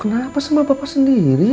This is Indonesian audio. kenapa sama bapak sendiri